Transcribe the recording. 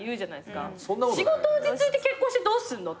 仕事落ち着いて結婚してどうすんのって思う。